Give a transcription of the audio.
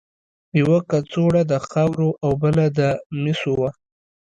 یوه کڅوړه د خاورو او بله د مسو وه.